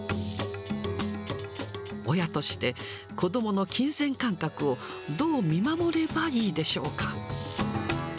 親として子どもの金銭感覚をどう見守ればいいでしょうか。